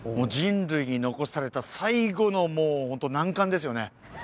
人類に残された最後のもう本当難関ですよね